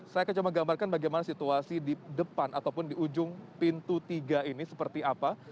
saya akan coba gambarkan bagaimana situasi di depan ataupun di ujung pintu tiga ini seperti apa